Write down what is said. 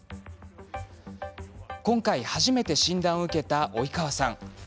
今回初めて診断を受けた及川さん。